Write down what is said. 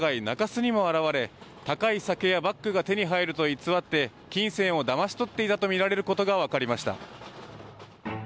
中洲にも現れ高い酒やバッグが手に入ると偽って金銭をだまし取っていたとみられることが分かりました。